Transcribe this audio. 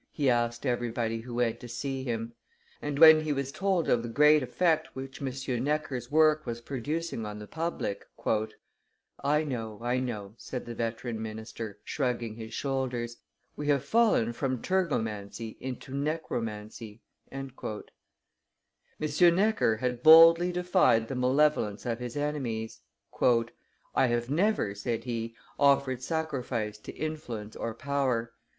he asked everybody who went to see him; and, when he was told of the great effect which M. Necker's work was producing on the public: "I know, I know," said the veteran minister, shrugging his shoulders, "we have fallen from Turgomancy into Necromancy." M. Necker had boldly defied the malevolence of his enemies. "I have never," said he, "offered sacrifice to influence or power.